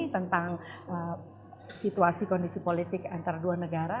tentang situasi kondisi politik antara dua negara